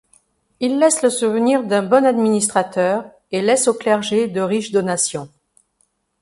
Il laisse le souvenir d’un bon administrateur, et laisse au clergé de riches donations.